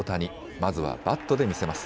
まずはバットで見せます。